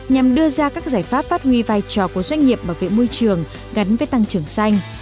nhằm đưa ra các giải pháp phát huy vai trò của doanh nghiệp bảo vệ môi trường gắn với tăng trưởng xanh